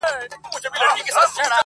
کوم څراغ چي روښنایي له پردو راوړي,